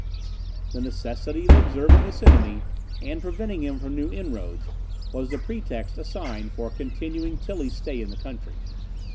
The necessity of observing this enemy, and preventing him from new inroads, was the pretext assigned for continuing Tilly's stay in the country.